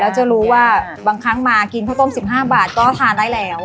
แล้วจะรู้ว่าบางครั้งมากินข้าวต้ม๑๕บาทก็ทานได้แล้ว